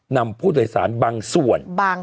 นำผู้โดยสารบางส่วน